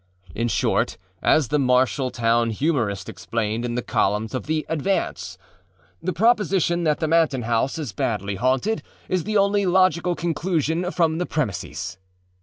In short, as the Marshall town humorist explained in the columns of the Advance, âthe proposition that the Manton house is badly haunted is the only logical conclusion from the premises.